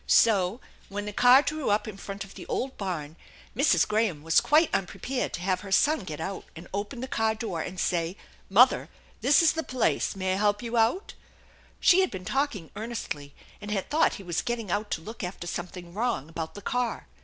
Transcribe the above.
So when the car drew up in front of the old barn Mrs. Graham was quite unprepared to have her son get out and open the car door and say, "Mother, this is the place: may I help you out ?" She had been talking earnestly, and had thought he was getting out to look after something wrong about the car.